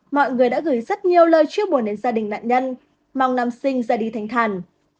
mọi người đã gửi rất nhiều lời chiếu buồn đến gia đình nạn nhân mong nam sinh ra đi thành thần